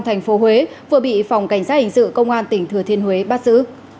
thành phố huế vừa bị phòng cảnh sát hình sự công an tỉnh thừa thiên huế bắt giữ